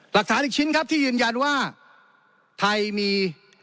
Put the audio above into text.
หลักฐานอีกชิ้นครับที่ยืนยันว่าไทยมี